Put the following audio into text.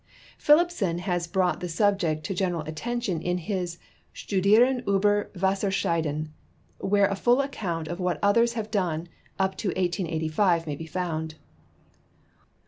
Philippson has brought the subject to general attention in his Studien ilber Wasserscheiden, where a full account of what others have done up to 1<S85 may be found.